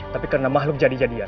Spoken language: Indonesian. tapi karena makhluk jadi jadian